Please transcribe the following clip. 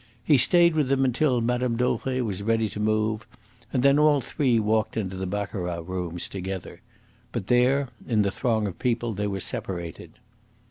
He stayed with them until Mme. Dauvray was ready to move, and then all three walked into the baccarat rooms together. But there, in the throng of people, they were separated.